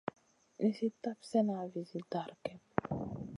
Nizi tap slèna vizi dara kep.